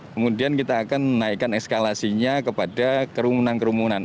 kemudian kita akan menaikkan eskalasinya kepada kerumunan kerumunan